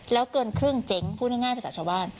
แล้วเกินครึ่งเจ๊งพูดง่ายภาษาชาวบ้าน